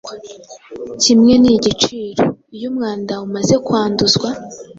kimwe nigiciro. Iyo umwanda umaze kwanduzwa,